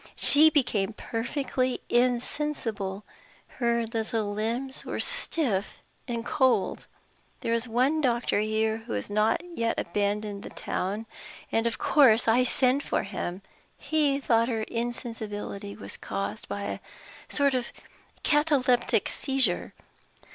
She became perfectly insensible her little limbs were stiff and cold. There is one doctor here who has not yet abandoned the town. Of course I sent for him. He thought her insensibility was caused by a sort of cataleptic seizure.